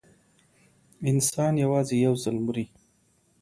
انسان یوازې یو ځل مري.